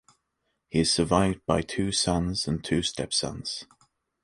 He is survived by two sons and two stepsons.